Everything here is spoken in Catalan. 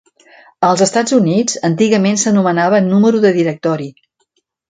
Als Estats Units, antigament s'anomenava "número de directori".